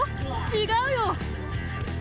違うよ！